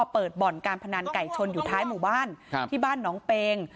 บ่อนการพนันไก่ชนอยู่ท้ายหมู่บ้านที่บ้านน้องเปง